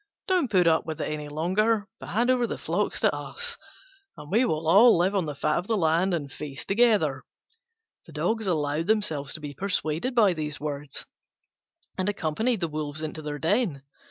Don't put up with it any longer, but hand over the flocks to us, and we will all live on the fat of the land and feast together." The Dogs allowed themselves to be persuaded by these words, and accompanied the Wolves into their den.